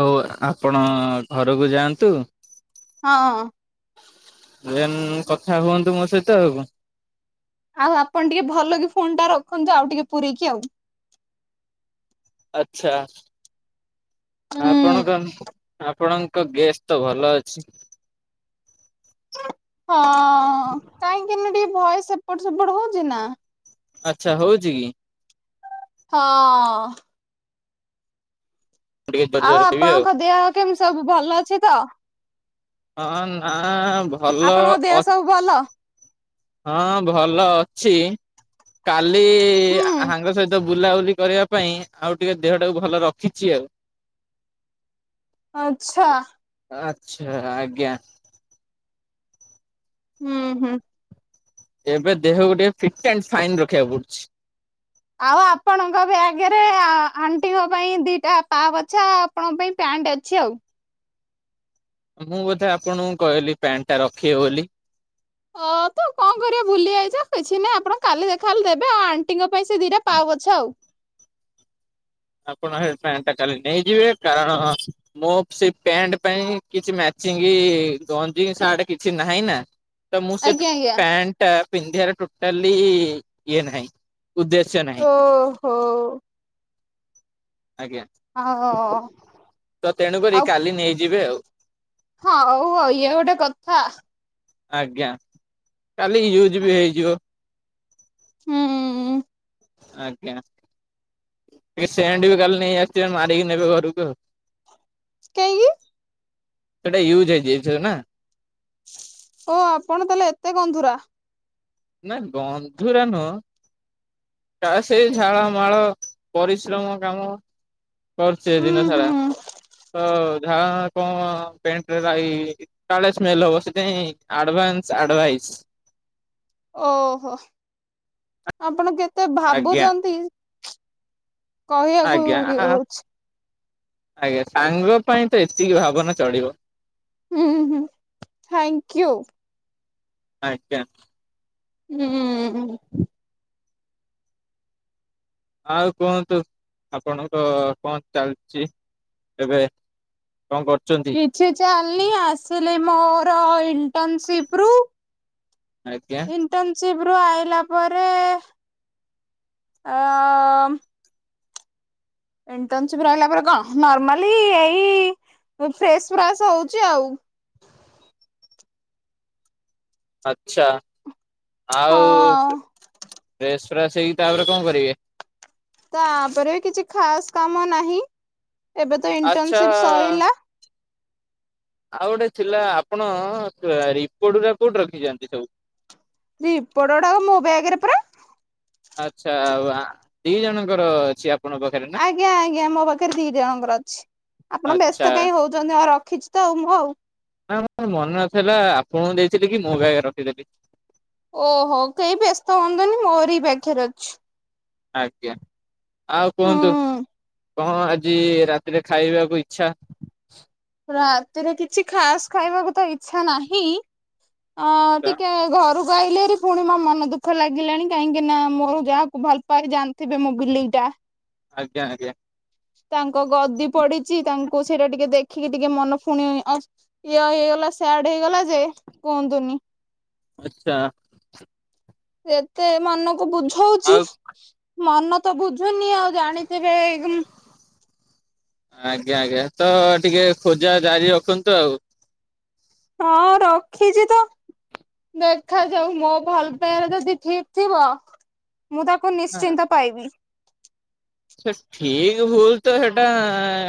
ହୋଉ ଆପଣ ଘରକୁ ଯାଆନ୍ତୁ। ହଁ। ଏନ୍ କଥା ହୁଅନ୍ତୁ ମୋ ସହିତ ଆଉ କଁ ଆଉ ଆପଣ ଟିକେ ଭଲ କି ଫୋନଟା ରଖନ୍ତୁ ଆଉ ଟିକେ ପୁରେଇକି ଆଉ। ଆଛା ଆ ହୁଁ ଆପଣ କଣ ଆପଣଙ୍କ ଗେସ ତ ଭଲ ଅଛି। ହଁ କାହିଁକିନା ଟିକେ ଭଏସ ଏପଟ ସେପଟ ହୋଉଚି ନା। ଆଛା ହୋଉଚି କି। ହଁ। ମୁଁ ଟିକେ ଜୋରେ ଆଉ ଜୋରେ କହିବି ଆପଣଙ୍କ ଦେହ କେମିତି ସବୁ ଭଲ ଅଛି ତ? ହଁ ନା ଭଲ ଆପଣଙ୍କ ଦେହ ଅଛ୍ ସବୁ ଭଲ ହଁ ଭଲ ଅଛି କାଲି ହୁଁ। ଆ ହାଙ୍ଗ ସହିତ ବୁଲାବୁଲି କରିବା ପାଇଁ ଆଉ ଟିକେ ଦେହଟାକୁ ଭଲ ରଖିଚି ଆଉ। ଆଚ୍ଛା। ଆଛା ଆଜ୍ଞା। ଉଁ ହୁଁ। ଏବେ ଦେହକୁ ଟିକେ ଫିଟ ଆଣ୍ଡ ଫାଇନ ରଖିବାକୁ ପଡୁଚି। ଆଉ ଆପଣଙ୍କ ବ୍ୟାଗରେ ଆ ଆଣ୍ଟିଙ୍କ ପାଇଁ ଦିଟା ପାଆ ପୋଛା ଆଉ ଆପଣଙ୍କ ପାଇଁ ପ୍ୟା ଣ୍ଟ୍ ଅଛି ଆଉ। ମୁଁ ବୋଧେ ଆପଣଙ୍କୁ କହିଲି ପ୍ୟାଣ୍ଟଟା ରଖିବେ ବୋଲି। ହଁ ତ କଣ କରିବା ଭୁଲି ଯାଇଚ କିଛି ନାହିଁ ଆପଣ କାଲି ଦେଖାହେଲେ ଦେବେ ଆଉ ଆଣ୍ଟିଙ୍କ ପାଇଁ ସେ ଦିଟା ପାଉ ପୋଛା ଆଉ। [inaudible] ଆପଣ ହେ ପ୍ୟାଣ୍ଟଟା କା ନେଇଯିବେ କାରଣ ମୋ ସେ ପ୍ୟାଣ୍ଟ ପାଇଁ କିଛି ମ୍ୟାଚିଙ୍ଗି କି ଗଞ୍ଜି କି ସାର୍ଟେ କିଛି ନାହିଁ ନା। ତ ମୁଁ ସେ ଆଜ୍ଞା ଆଜ୍ଞା ପ୍ୟାଣ୍ଟଟା ପିନ୍ଧିବାର ଟୋଟାଲି ଇଏ ନାହିଁ। ଉଦ୍ଦେଶ୍ୟ ନାହିଁ। ଓହୋ। ଆଜ୍ଞା ଆଉ ତ ତେଣୁକରି କାଲି ନେଇଯିବେ ଆଉ। ହୋଉ ଆଉ ଇଏ ଗୋଟେ କଥା। ଆଜ୍ଞା କାଲି ୟୁଜ ବି ହେଇଯିବ। ହୁଁ। ଆଜ୍ଞା। ଟିକେ ସେଣ୍ଟ ବି କାଲି ନେଇ ଆସିଥିବେ ମାରିକି ନେବେ ଘରକୁ ଆଉ। କାହିଁକି ସେଟା ୟୁଜ ହେଇଯାଇଥିବ ନା। ଓ ଆପଣ ତାହେଲେ ଏତେ ଗନ୍ଧୁରା। ନାଇ ଗନ୍ଧୁରା ନୁହଁ। ନା ସେଇ ଝାଳ ମାଳ ପରିଶ୍ରମ କାମ। କରଚି ହୁଁ ଦିନ ସାରା ହୁଁ ତ ଝାଳ ମା କଣ ପେଣ୍ଟରେ ଲାଗି କାଳେ ସ୍ମେଲ୍ ହବ ସେଥିାଇଁ ଆଡଭାନସ୍ ଆଡଭାଇସ୍। [unintelligible] ଓହୋ ଆପଣ କେତେ ଆଜ୍ଞା ଭାବୁଚନ୍ତି। କହିବାକୁ ଆଜ୍ଞା ଇଏ ହୋଉଚି। ଆଜ୍ଞା ସାଙ୍ଗ ପାଇଁ ତ ଏତିକି ଭାବନା ଚଳିବ। ଉଁହୁଁ ଥ୍ୟାଙ୍କୟୁ। ଆଜ୍ଞା। ଉଁ। ଆଉ କୁହନ୍ତୁ ଆପଣଙ୍କ କଣ ଚାଲିଚି? ଏବେ କଣ କରୁଚନ୍ତି? ଲି ଆସିଲି ଏ ମୋର ଇଣ୍ଟର୍ନସିପରୁ। ଆଜ୍ଞା ଇଣ୍ଟର୍ନସିିପ୍ ପୂବରୁ ଆଇଲା ପରେ ଅ ଇଣ୍ଟର୍ନସିିପ ରହିଲା ପରେ କଣ ନର୍ମଲୀ ଏଇ ମୁଁ ଫ୍ରେଶ ଫ୍ରାସ ହଉଛି ଆଉ। ଆଛା ଆଉ ହଁ ଵେସ [unintelligible] ସେଇି ତାପରେ କଣ କରିବେ? ତାପରେ କିଛି ଖାସ କାମ ନାହିଁ। ଏବେ ତ ଆଚ୍ଛା ଇଣ୍ଟର୍ନସିପ ସଇଲା। ଆଉ ଗୋଟେ ଥିଲା ଆପଣ ରିପୋଡ ଗୁଡ଼ା କୋଉଠି ରଖିଛନ୍ତି ସବୁ? ରିପୋଟ ଗଡା ମୋ ବ୍ୟାଗରେ ପରା। ଆଚ୍ଛା ଦି ଜଣଙ୍କର ଅଛି। ଆପଣଙ୍କ ପାଖରେ ନା ଆଜ୍ଞା ଆଜ୍ଞା ମୋ ପାଖରେ ଦି ଜଣଙ୍କର ଅଛି ଆପଣ ବ୍ୟସ୍ତ ଆଚ୍ଛା କାହିଁ ହଉଛନ୍ତି ଆ ର ଖିଚ ତ ଓ ମୋ ନା ମୋର ମନେ ନଥିଲା ଆପଣଙ୍କୁ ଦେଇଥିଲି କି ମୋ ବ୍ୟାଗରେ ରଖିଦେଲି। ଓହୋ କେହି ବ୍ୟସ୍ତ ହୁଅନ୍ତୁନି ମୋରି ପାଖରେ ଅଛି। ଆଜ୍ଞା ଆଉ ହୁଁ କୁହନ୍ତୁ କଣ ଆଜି ରାତିରେ ଖାଇବାକୁ ଇ ରାତିରେ କିଛି ଖାସ ଖାଇବାକୁ ତ ଇଚ୍ଛା ନାହିଁ। ଅ ଟିକେ ଘରୁ କୁ ଅଇଲେଭାରି। ଶୁଣି ମୋ ମନ ଦୁଃଖ ଲାଗିଲାଣି କାହିଁକି ନା ମୋର ଯାହାକୁ ଭଲ ପା ଜାଣିଥିବେ ମୁଁ ବିଲେଇ ଟା। ଆଜ୍ଞା ଆଜ୍ଞା। ତାଙ୍କ ଗଦି ପଡିଛି ତାଙ୍କୁ ସେଇଟା ଟିକେ ଦେଖିକି ଟିକେ ମନ ଫୁଣି ଅସ ଇଏ ହେଇଗଲା। ସିୟାଡ ହେଇଗଲା ଯେ କୁହନ୍ତୁନି। ଆଛା। ଏତେ ମନକୁ ବୁଝଉଛି। ଆଉ ମନ ତ ବୁଝୁନି ଆଉ ଜାଣିଥିବେ। ଆଜ୍ଞା ଆଜ୍ଞା ତ ଟିକେ ଖୋଜା ଜାରି ରଖନ୍ତୁ ଆଉ। ହଁ ରଖିଛି ତ ଦେଖାଯାଉ ମୋ ଭଲ ପାୟା ଯଦି ଠିକ ଥିବ। ମୁଁ ତାକୁ ନିଶ୍ଚିନ୍ତ ପାଇବି। ସେ ଠିକ ଭୁଲ ତ ସେଟା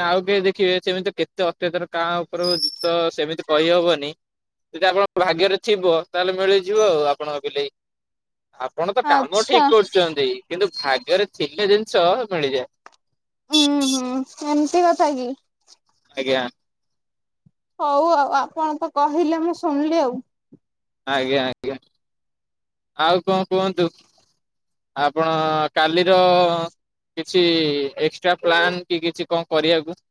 ଆଉ କେହି ଦେଖିବେ ସେମିତି କେତେ ଅତ୍ୟତର କା ଉପରେ [unintelligible] ତ ସେମିତି କହିହବନି। ଯଦି ଆପଣଙ୍କ ଭାଗ୍ୟରେ ଥିବ ତାହେଲେ ମିଳିଯିବ ଆଉ ଆପଣଙ୍କ ବିଲେଇ। ଆପଣ ତ କାମ ଠିକ ଆଚ୍ଛା କରୁଛନ୍ତି କିନ୍ତୁ ଭାଗ୍ୟରେ ଥିଲେ ଜିନିଷ ମିଳିଯାଏ। ହୁଁ ହୁଁ ଏମତି କଥାକି। ଆଜ୍ଞା। ହଉ ଆଉ ଆପଣ ତ କହିଲେ ମୁଁ ଶୁଣିଲି ଆଉ। ଆଜ୍ଞା ଆଜ୍ଞା ଆଉ କଣ କୁହନ୍ତୁ? ଆପଣ କାଲିର କିଛି ଏକ୍ସଟ୍ରା ପ୍ଲନ୍ କି କିଛି କଣ କରିବାକୁ?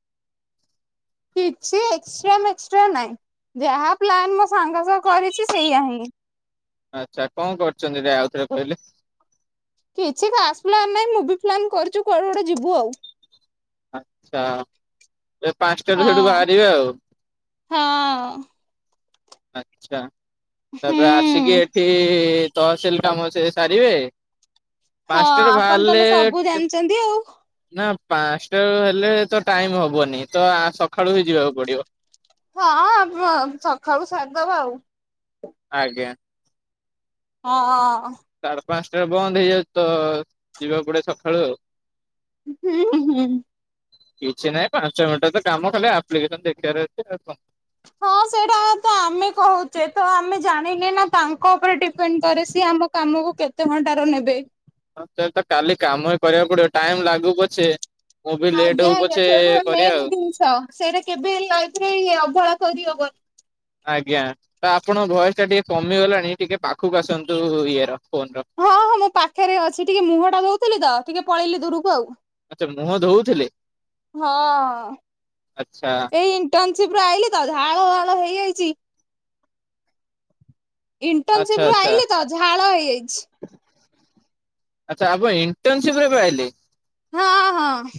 କିଛି ଏକ୍ସଟାରା ମେକ୍ସଟାରା ନାହିଁ ଯାହା ପ୍ଲାନ୍ ମୁ ସାଙ୍ଗସଙ୍ଗ କରିଛି ସେଇୟଆ ହିଁ। ଆଚ୍ଛା କଣ କରୁଛନ୍ତି ଆଉଥରେ କହିଲେ? କିଛି ଖାସ ପ୍ଲାନ ନାହିଁ ମୁଁ ବି ପ୍ଲାନ୍ କରିଛୁ କୁଆଡେ କୋଡେ ଯିବୁ ଆଉ। ଆଚ୍ଛା ଏ ପାଞ୍ଚଟାରୁ ସେଠୁ ବାହାରିବେ ଆଉ। ହଁ ହଁ ଆଛା ତାପରେ ଆସିକି ହୁଁ ଏଠି ତହସିଲ କାମ ସେ ସାରିବେ। ହଁ ପାଞ୍ଚଟାରୁ ଆପଣ ବାହାରିଲେ ତାହେଲେ ସବୁ କେ ଜାଣିଛନ୍ତି ଆଉ। ନା ପାଞ୍ଚଟା ହେଲେ ତ ଟାଇମ ହବନି ତ ସଖାଳୁ ହି ଯିବାକୁ ପଡିବ। ହଁ ସଖାଳୁ ସାରିଦେବା ଆଉ। ଆଜ୍ଞା। ହ ହ। ସାଢ଼େ ପାଁଶଟାରେ ବନ୍ଦ ହେଇଯାଉଚି ତ ଯିବାକୁ ପଡ଼ିବ ସଖାଳୁ ଆଉ। ଉଁ ହୁଁ ହୁଁ। କିଛି ନାହିଁ ପାଞ୍ଚ ମିଣ୍ଟିର ତ କାମ ଖାଲି ଆପ୍ଲିକେସନ୍ ଦେଖେଇବାର ଅଛି ଆଉ କଁ? ହଁ, ସେଇଟା ତ ଆମେ କହୁଚେ ତ ଆମେ ଜାଣିନେ ନାଁ ତାଙ୍କ ଓପରେ ଡିପେଣ୍ଡ୍ କରେ ସିଏ ଆମ କାମକୁ କେତେ ଘଣ୍ଟାରୁ ନେବେ। ହଁ ସେ ତ କାଲି କାମ ହିଁ କରିବାକୁ ପଡ଼ିବ ଟାଇମ୍ ଲାଗୁ ପଛେ। ମୁଁ ବି ଲେଟ୍ ଆଜ୍ଞା ହଉ ଆଜ୍ଞା ପଛେ ସେଇଠୁ ଆ କରିବା ମେନ୍ ଆଉ ଦିନ୍ଷ ସେରା କେବେ ହେଲେ ଲାଇଫ୍ ରେ ଇଏ ଅବହେଳା କରିହବ ଆଜ୍ଞା, ତ ଆପଣଙ୍କ ଭଏସ୍ ଟା ଟିକେ କମିଗଲାଣି ଟିକେ ପାଖୁକୁ ଆସନ୍ତୁ ଇଏର। ଫୋନ ର। ହଁ ହଁ ମୁଁ ପାଖେରେ ଅଛି, ଟିକେ ମୁହଁଟା ଧୋଉଥିଲି ତ ଟିକେ ପଳେଇଲିି ଦୂରୁକୁ ଆଉ। ଏ ମୁହଁ ଧୋଉଥୁଲେ? ହଁ, ଏଇ ଇଣ୍ଟନ୍ ସିପ୍ ରୁ ଆଇଲି ତ ଝାଳ ୱାଳ ହେଇଆଇଚି। ଆଚ୍ଛା ଇଣ୍ଟନ୍ସିପ୍ ରୁ ଆଚ୍ଛା ଆଇିଲ ତ ଝାଳ ହେଇଆଇଚି। ଆଚ୍ଛା ଆପ ଇନ୍ଟସିପ୍ ରେ ବ ଆଇଲେ। ହଁ, ହଁ।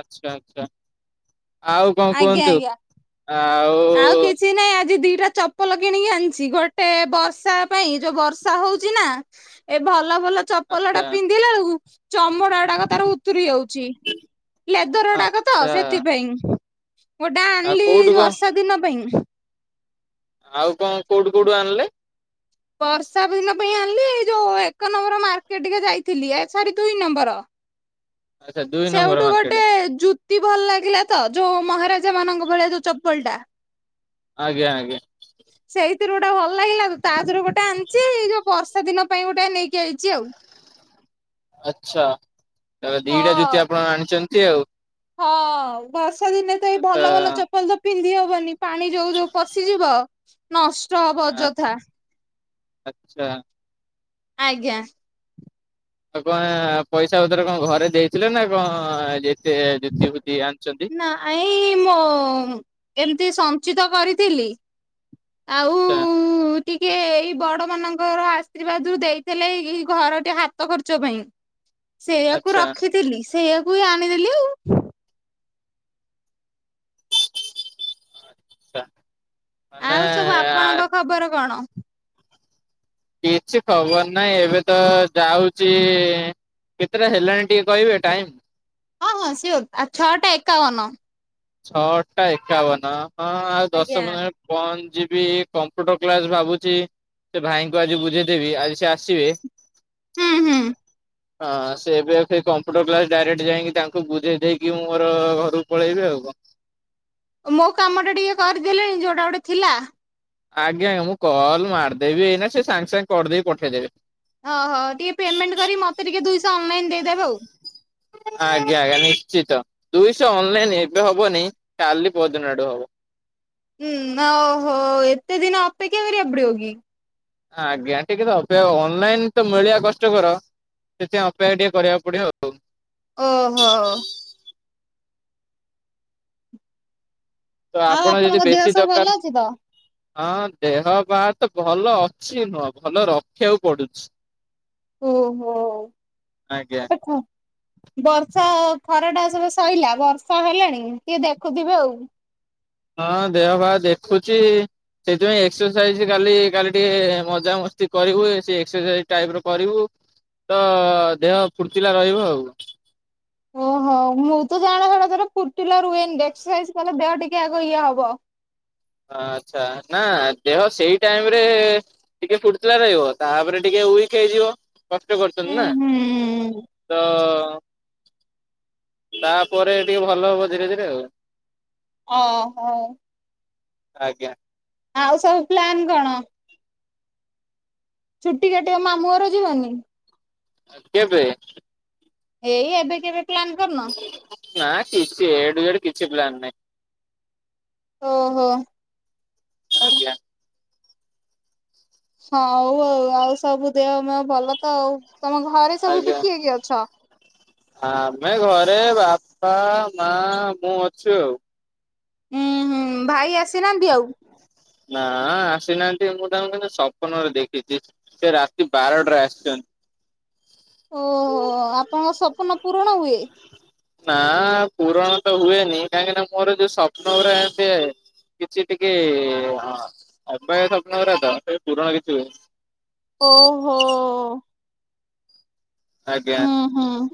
ଆଚ୍ଛା ଆଚ୍ଛା। ଆଉ କଁ ଆଜ୍ଞା କୁହନ୍ତୁ। ଆଜ୍ଞା। ଆଉ ଆଉ କିଛି ନାଇଁ ଆଜି ଦି ଇରା ଚପଲ କିଣିକି ଆଣିଛି, ଗୋଟେ ବର୍ଷା ପାଇଁ ଏ ଯୋଉ ବର୍ଷା ହୋଉଚି ନାଁ ଏ ଭ ଲ ଭଲ ଚପଲଟା ଆଚ୍ଛା ପିନ୍ଧିଲା ଅଳୁକୁ ଚମଡ଼ା ଉଡ଼ାକ ତାର ଉତୁରି ଯାଉ ଚି ଲେଦର ଅଡ଼ାକ ତ ଆଚ୍ଛା ସେଥିପାଇଁ ଗୋଟେ ଆଉ ଆଣଲି କୋଉଠୁ ଯୋଉ କଣ ଅସ୍ ପେଁ ଆଉ କଁ କୋଉଠୁ କୋଉଠୁ ଆଣଲେ? ବର୍ଷା ଭିନ ପାଇଁ ଆଣଲି ଏଇ ଯୋଉ ଏକ ନମ୍ବର ମାର୍କେ ଟିକେ ଯାଇଥିଲି, ଏ ଛାଡ଼ି ଦୁଇ ନମ୍ବର। ଆଚ୍ଛା ଦୁଇ ନମ୍ବର ସେଉଟୁ ମାର୍କେଟ ଗୋଟେ ଜୁ ତି ଭଲ୍ ଲାଗିଲା ତ ଯୋଉ ମହାରାଜାମାନଙ୍କ ଭଳିଆ ଯୋଉ ଚପଲଟା। ଆଜ୍ଞା ଆଜ୍ଞା। ଥିରୁ ଓଟା ଭଲ ଲାଗିଲା ତା ଥୁରୁ ଗୋଟେ ଆନଚି ଏ ଯୋଉ ବର୍ଷା ଦିନ ପାଇଁ ଗୋଟେ ନେଇକି ଆଇଚି ଆଉ। ଆଚ୍ଛା ତ ଦିଟା ଜୁତି ଆପଣ ଆଣଚନ୍ତି ଆଉ। ହ। ବର୍ଷା ଦିନେ ତ ଏଇ ଭଲ ଭଲ ଚପଲ ତ ପିନ୍ଧି ହବନି। ପାଣି ଯୋଉ ଯୋଉ ପଶିଯିବ ନଷ୍ଟ ହବ ଅଯଥା। ଆଚ୍ଛା। ଆଜ୍ଞା। ଆଉ କଁ ପଇସା ପତର କଁ ଘରେ ଦେଇଥିଲେ ନା କଁ ଯେତେ ଜୁତି ଫୁତି ଆ ନାଁ ଏଇ ମୋ ଏମତି ସଞ୍ଚିତ କରିଥିଲି। ଆଉ ଆଚ୍ଛା ଟିକେ ଏଇ ବଡ଼ମାନଙ୍କର ଆଶୀର୍ବାଦରୁ ଦେଇଥିଲେ ଏଇ ଘରଟି ହାତ ଖର୍ଚ୍ଚ ପାଇଁ। ସେଇଆକୁ ଆଚ୍ଛା ରଖିଥିଲି ସେଇଆକୁ ହି ଆଣିଦେଲି ଆଉ। ଛା ମାନେ ଆଉ ସବୁ ଆ ଆପଣଙ୍କ ଖବର କଣ? କିଛି ଖବର ନାଇଁ ଏବେ ତ ଯାଉଚି କେତେଟା ହେଲାଣି ଟିକେ କହିବେ ଟାଇମ୍? ହଁ ହଁ ସିଓର୍ ଆ ଛଅଟା ଏକାବନ। ଛଅଟା ଏକାବନ। ହଁ ଆଉ ଦଶ ଆଜ୍ଞା। ପନ୍ଦର ପଁ ଯିବି କମ୍ପୁଟର୍ କ୍ଲାସ୍ ଭାବୁଚି ସେ ଭାଇଙ୍କୁ ଆଜି ବୁଝେଇଦେବି ଆଜି ସେ ଆସିବେ। ହୁଁ ହୁଁ। ହଁ ସେ ଏବେ ଏଫେ କମ୍ପୁଟର୍ କ୍ଲାସ୍ ଡାଇରେକ୍ଟ ଯାଇଁକି ତାଙ୍କୁ ବୁଝେଇ ଦେଇକି ମୁଁ ମୋର ଘରୁକୁ ପଳେଇବି। ଆଉ କଁ? ମୋ କାମଟା ଟିକେ କରିଦେଲେଣି ଯୋଉଟା ଓଟେ ଥିଲା? ଆଜ୍ଞା ଆଜ୍ଞା ମୁଁ କଲ୍ ମାରଦେବି ଏଇନା ସେ ସାଙ୍ଗ୍ ସାଙ୍ଗ୍ କରିଦେଇକି ପଠେଇଦେବେ। ଅହ ଟିକେ ପେମେଣ୍ଟ୍ କରି ମତେ ଟିକେ ଦୁଇଶ ଅନଲାଇନ୍ ଦେଇଦେବେ ଆଉ। ଆଜ୍ଞା ଆଜ୍ଞା ନିଶ୍ଚିତ ଦୁଇଶ ଅନଲାଇନ୍ ଏବେ ହବନି କାଲି ପହଦିନ ଆଡ଼ୁ ହବ। ହୁଁ ଓ ହୋ ଏତେ ଦିନ ଅପେକ୍ଷା କରିବାକୁ ପଡିବ କି? ଆଜ୍ଞା ଟିକେ ତ ଅପେକ୍ଷା ଅନଲାଇନ ତ ମିଳିଆ କଷ୍ଟକର। ସେଥିପାଇଁ ଅପେକ୍ଷା ଟିକେ କରିବାକୁ ପଡିବ ଆଉ। ଓ ହୋ। ତ ଆଉ ଆପଣ ଯଦି ଆପଣଙ୍କ ଦେହ ବେଶୀ ସବୁ ଭଲ ଦୋକାନ ଅଛି ତ? ହଁ ଦେହ ପା ତ ଭଲ ଅଛି ନୁହଁ, ଭଲ ରଖିବାକୁ ପଡୁଛି। ଓ ହୋ ବ ଆଜ୍ଞା [unintelligible] ଖରାଟା ସବୁ ସଇଲା, ବର୍ଷା ହେଲାଣି ଟିକେ ଦେଖୁଥିବେ ଆଉ। ହଁ ଦେହ ପାହ ଦେଖୁଛି। ସେଇଥିପାଇଁ ଏକ୍ସରସାଇଜ କାଲି କାଲି ଟିକେ ମଜାମସ୍ତି କରିବୁ, ସେ ଏକ୍ସରସାଇଜ ଟାଇପ ର କରିବୁ। ତ ଦେହ ଫୁର୍ତ୍ତିଲା ରହିବ ଆଉ। ହଁ ମୁଁ ତ ଜାଣେ [unintelligible] ଫୁଟିଲା ରୁହେନି, ଏକ୍ସରସାଇଜ କଲେ ଦେହ ଟିକେ ଆଗ ଇଏ ହବ। ଆଛା, ନା ଦେହ ସେଇ ଟାଇମରେ ଟିକେ ଫୁର୍ତିଲା ରହିବ, ତାପରେ ଟିକେ ଉଇକ ହେଇଯିବ। କଷ୍ଟ ହୁଁ କରୁଛନ୍ତି ନା, ହୁଁ। ତ ତାପରେ ଟିକେ ଭଲ ହବ ଧୀରେ ଧୀରେ ଆଉ। ହଁ - ହଁ। ଆଜ୍ଞା। ଆଉ ସବୁ ପ୍ଲାନ କଣ? ଛୁଟି କାଟିବାକୁ ମାମୁଁଘର ଯିବନି? କେବେ? ଏଇ ଏବେ କେବେ ପ୍ଲାନ୍ କରୁନ? ନା, କିଛି ଏ ଠୁ ଜେଡ କିଛି ପ୍ଲାନ ନାହିଁ। ଓ ହୋ। ଆଜ୍ଞା। ହଉ ଆଉ, ଆଉ ସବୁ ଦେହ [unintelligible] ଭଲ ତ ଆଉ। ତମ ଘରେ ସବୁ ଏବେ ଆଜ୍ଞା, କିଏ କିଏ ଅଛ? ଆମେ ଘରେ ବା ବା, ମା, ମୁଁ ଅଛୁ ଆଉ। ହୁଁ- ହୁଁ, ଭାଇ ଆସିନାହାନ୍ତି ଆଉ? ନା ଆସିନାହାନ୍ତି ଆଉ। ମୁଁ ତାଙ୍କୁ କିନ୍ତୁ ସ୍ୱପ୍ନରେ ଦେଖିଛି ସେ ରାତି ବାରଟାରେ ଆସିଛନ୍ତି। [inaudible] ଓ ହୋ ଆପଣଙ୍କ ସପ୍ନ ପୂରଣ ହୁଏ? ପୂରଣ ତ ହୁଏନି। କାହିଁକିନା, ମୋର ଯୋଉ ସ୍ୱପ୍ନ ଗୁରା ଆସେ କିଛି ଟିକେ ହଁ ଏବେ ସ୍ୱପ୍ନ କଥା ତ ସେ ପୂରଣ କିଛି ହୁଏନି। ଓ ହୋ। ଆଜ୍ଞା। ହୁଁ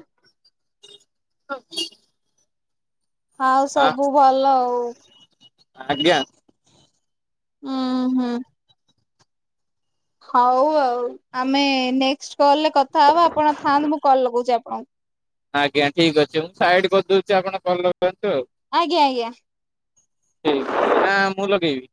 ଆଉ ଆ ସବୁ ଭଲ ଆଉ। ଆଜ୍ଞା। ଉଁ -ହୁଁ। ହଉ ଆଉ, ଆମେ ନେକ୍ସଟ କଲରେ କଥା ହବା। ଆପଣ ଥାଆନ୍ତୁ, ମୁଁ କଲ ଲଗଉଛି ଆପଣଙ୍କୁ। ଆଜ୍ଞା। ଠିକ ଅଛି, ମୁଁ ସାଇଡ କରିଦଉଛି ଆପଣ କଲ ଆଜ୍ଞା ଆଜ୍ଞା। ଠିକ୍ ଅଛି, ନା ମୁଁ ଲଗେଇବି?